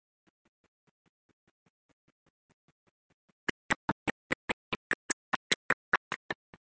The town may have been named for the Scottish river Afton.